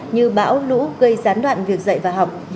như bão lũ gây gián đoạn việc dạy và học